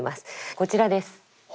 こちらです。